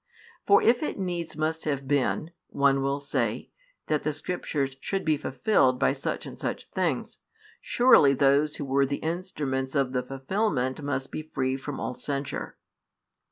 "For if it needs must have been," one will say, "that the Scriptures should be fulfilled by such and such things, surely those who were the instruments of the fulfilment must be free from all censure."